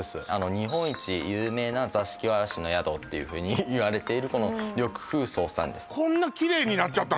日本一有名な座敷童の宿っていうふうにいわれているこの緑風荘さんです